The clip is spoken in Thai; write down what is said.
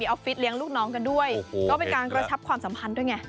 อฟฟิศเลี้ยงลูกน้องกันด้วยก็เป็นการกระชับความสัมพันธ์ด้วยไง